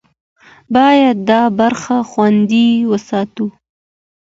باید دا برخه خوندي وساتو.